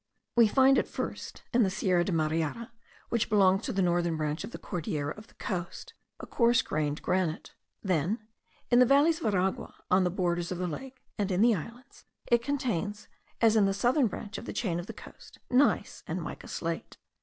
We find at first, in the Sierra de Mariara, which belongs to the northern branch of the Cordillera of the coast, a coarse grained granite; then, in the valleys of Aragua, on the borders of the lake, and in the islands, it contains, as in the southern branch of the chain of the coast, gneiss and mica slate.